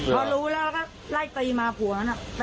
เขารู้แล้วก็ไล่ตีมาผัวนั้นอ่ะ